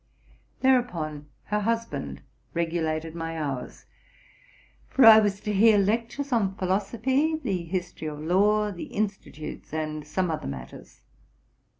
Thereupon her husband regulated my hours; for I was to hear lectures on philosophy, the history of law, the Insti tutes, and some other matters.